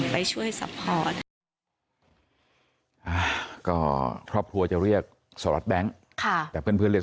ไปช่วยซัพพอร์ต